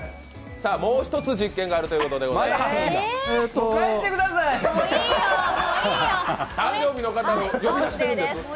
もう１つ実験があるということでございます。